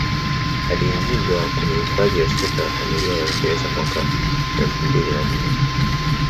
Aliingizwa kwenye Hifadhi ya Soka ya Familia ya Uingereza mwaka elfu mbili na nane